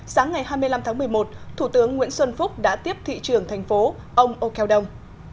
sáng ngày hai mươi năm tháng một mươi một thủ tướng nguyễn xuân phúc đã tiếp thị trường thành phố ông âu kéo đông